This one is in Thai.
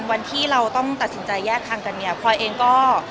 วันที่เราต้องตัดสินใจแยกทางกันเนี่ยพลอยเองก็